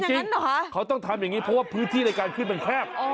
จริงเขาต้องทำอย่างนี้เพราะว่าพื้นที่ในการขึ้นมันแคบ